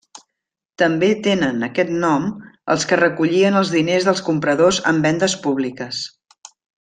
També tenien aquest nom els que recollien els diners dels compradors en vendes públiques.